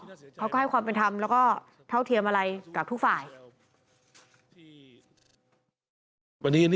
เขาก็ให้ความเป็นธรรมแล้วก็เท่าเทียมอะไรกับทุกฝ่าย